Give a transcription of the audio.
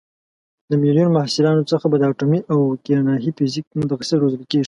له میلیون محصلانو څخه به د اټومي او کیهاني فیزیک متخصص روزل کېږي.